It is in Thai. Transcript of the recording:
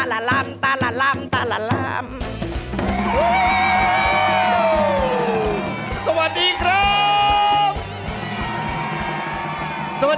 อบเตอร์มหาสนุกกลับมาสร้างความสนานครื้นเครงพร้อมกับแขกรับเชิง